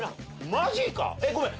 マジかごめん。